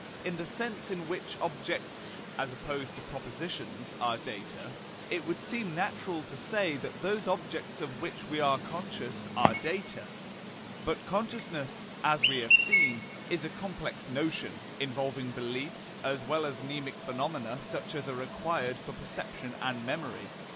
In the sense in which objects (as opposed to propositions) are data, it would seem natural to say that those objects of which we are conscious are data. But consciousness, as we have seen, is a complex notion, involving beliefs, as well as mnemic phenomena such as are required for perception and memory.